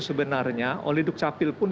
sebenarnya oleh duk capil pun